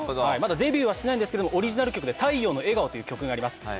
まだデビューはしてないんですけどもオリジナル曲で『太陽の笑顔』という曲があります。